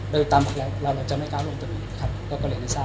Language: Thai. โดยตามหลักเราจะไม่กล้าร่วมตรงนี้ครับก็เลยไม่ทราบ